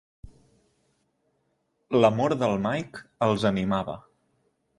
L'amor del Mike els animava.